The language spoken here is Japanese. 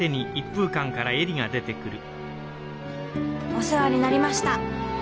お世話になりました。